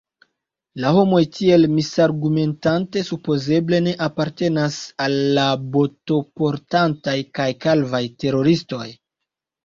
La homoj tiel misargumentante supozeble ne apartenas al la botoportantaj kaj kalvaj teroristoj.